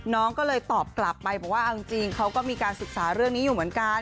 น้องก็เลยตอบกลับไปบอกว่าเอาจริงเขาก็มีการศึกษาเรื่องนี้อยู่เหมือนกัน